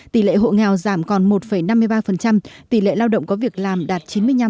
tỷ lệ hộ nghèo giảm còn một năm mươi ba tỷ lệ lao động có việc làm đạt chín mươi năm